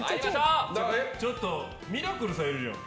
ちょっとミラクルさんいるじゃん。